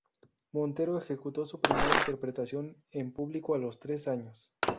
Montero ejecutó su primera interpretación en público a los tres años.